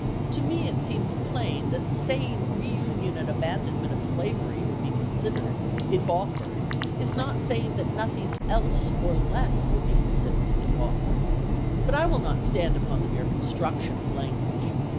To me it seems plain that saying reunion and abandonment of slavery would be considered, if offered, is not saying that nothing else or less would be considered, if offered. But I will not stand upon the mere construction of language.